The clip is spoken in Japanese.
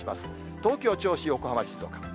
東京、銚子、横浜、静岡。